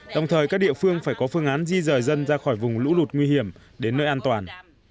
đồng thời các địa phương phải có phương án di rời dân ra khỏi vùng lũ lụt nguy hiểm đến nơi an toàn